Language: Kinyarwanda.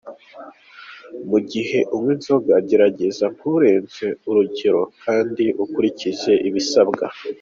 "Igihe unywa inzoga, gerageza nturenze urugero kandi ukurikize ibisabwa.